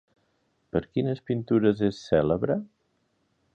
Per quines pintures és cèlebre?